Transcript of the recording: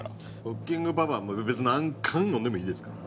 『クッキングパパ』は別に何巻読んでもいいですから。